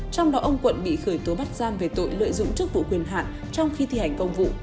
trong đó ông quận bị khởi tố bắt giam về tội lợi dụng chức vụ quyền hạn trong khi thi hành công vụ